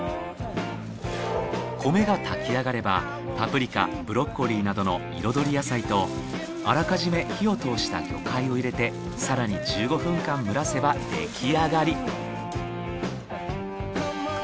米が炊き上がればパプリカブロッコリーなどの彩り野菜とあらかじめ火を通した魚介を入れて更に１５分間蒸らせば出来上がり。